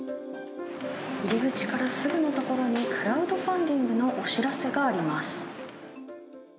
入り口からすぐの所に、クラウドファンディングのお知らせがあります。